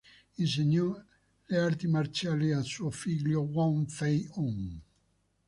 Insegnò le arti marziali a suo figlio Wong Fei Hung.